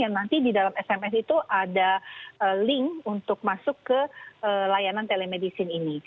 yang nanti di dalam sms itu ada link untuk masuk ke layanan telemedicine ini